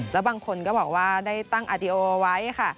แล้วบางคนก็บอกว่าได้ตั้งอาติโอไว้ค่ะ